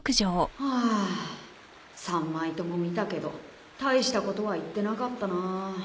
はあ３枚とも見たけど大したことは言ってなかったな。